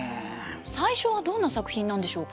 最初はどんな作品なんでしょうか。